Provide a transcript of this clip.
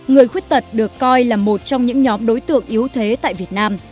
người khuyết tật được coi là một trong những nhóm đối tượng yếu thế tại việt nam